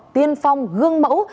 tiên phong gương mẫu